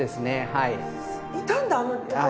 はい。